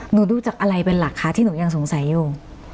หนูดูจากอะไรเป็นหลักคะที่หนูยังสงสัยอยู่